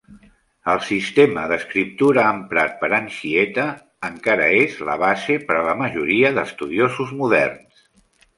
El sistema d'escriptura emprat per Anchieta encara és la base per a la majoria d'estudiosos moderns.